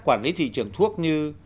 quản lý thị trường thuốc như